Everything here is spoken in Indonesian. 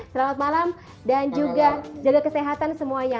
selamat malam dan juga jaga kesehatan semuanya